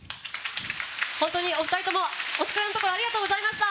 本当にお二人ともお疲れのところありがとうございました。